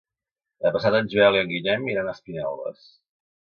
Demà passat en Joel i en Guillem iran a Espinelves.